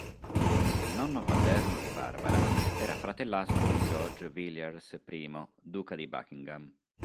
Il nonno paterno di Barbara era fratellastro di George Villiers, I duca di Buckingham.